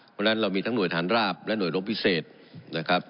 เพราะฉะนั้นเรามีทั้งหน่วยฐานราบและห่วยรบพิเศษนะครับ